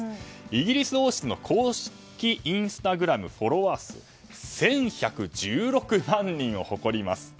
イギリス王室の公式インスタグラムのフォロワー数１１１６万人を誇ります。